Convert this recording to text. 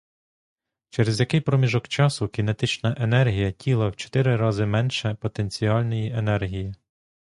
Через який проміжок часу кінетична енергія тіла в чотири рази менше потенціальної енергії.